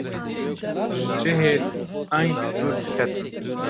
ji cihê teng dûr diketim.